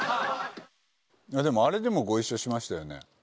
でもあれでもご一緒しましたよね？